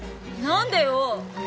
何でよ？